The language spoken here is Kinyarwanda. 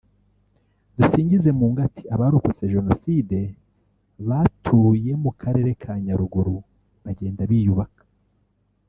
Duzingizemungu ati “Abarokotse Jenoside batuye mu karere ka Nyaruguru bagenda biyubaka